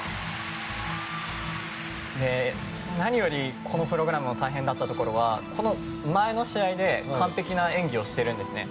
何よりこのプログラムの大変だったところはこの前の試合で完璧な演技をしてるんですね。